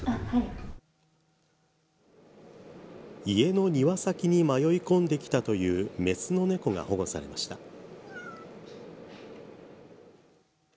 家の庭先に迷い込んできたというメスの猫が保護されました。